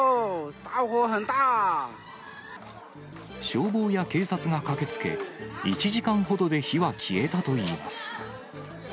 消防や警察が駆けつけ、１時間ほどで火は消えたといいます。